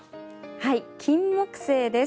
キンモクセイです。